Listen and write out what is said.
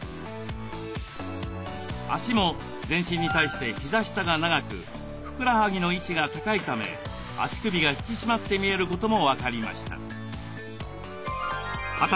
脚も全身に対して膝下が長くふくらはぎの位置が高いため足首が引き締まって見えることも分かりました。